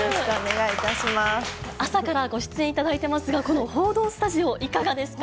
朝からご出演いただいてますが、この報道スタジオ、いかがですか。